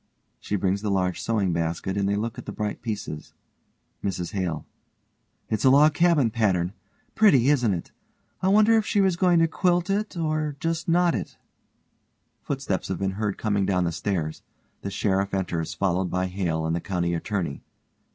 (She brings the large sewing basket and they look at the bright pieces.) MRS HALE: It's log cabin pattern. Pretty, isn't it? I wonder if she was goin' to quilt it or just knot it? (Footsteps have been heard coming down the stairs. The SHERIFF enters followed by HALE and the COUNTY ATTORNEY.)